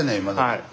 はい。